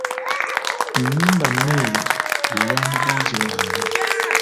Enyumba nno eyo ye ya muganzi wange.